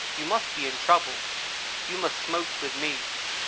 You must be in trouble. You must smoke with me.'